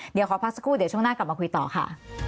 เดี๋ยวขอพักสักครู่เดี๋ยวช่วงหน้ากลับมาคุยต่อค่ะ